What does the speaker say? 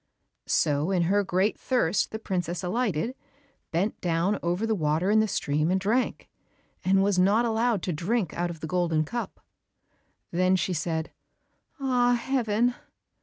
So in her great thirst the princess alighted, bent down over the water in the stream and drank, and was not allowed to drink out of the golden cup. Then she said, "Ah, Heaven!"